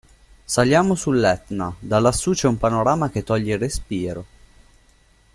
Saliamo sull'Etna, da lassù c'è un panorama che toglie il respiro!